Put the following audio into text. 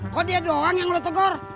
kok dia doang yang lo tegur